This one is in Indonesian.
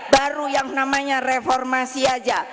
baru yang namanya reformasi aja